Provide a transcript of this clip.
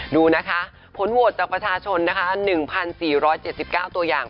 ดูนะคะผลโหวตจากประชาชนนะคะ๑๔๗๙ตัวอย่าง